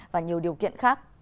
và nhiều điều kiện khác